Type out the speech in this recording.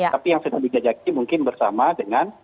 tapi yang sedang dijajaki mungkin bersama dengan